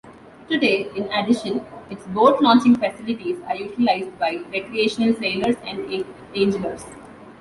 Today, in addition, its boat-launching facilities are utilised by recreational sailors and anglers.